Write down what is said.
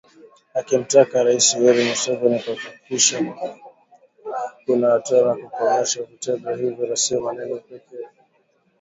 akimtaka RaisiYoweri Museveni kuhakikisha kuna hatua za kukomesha vitendo hivyo na sio maneno pekee